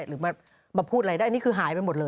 หรือมาพูดอะไรได้นี่คือหายไปหมดเลย